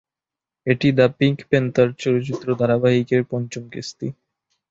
এটি "the pink panther" চলচ্চিত্র ধারাবাহিকের পঞ্চম কিস্তি।